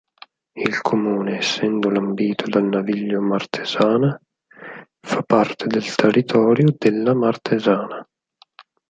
Il comune, essendo lambito dal naviglio Martesana, fa parte del territorio della Martesana.